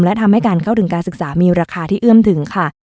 และทำให้การเข้าถึงการศึกษามีราคาที่เอื้อมถึงค่ะ